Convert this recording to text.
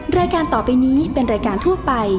แม่บ้านประจำบ้าน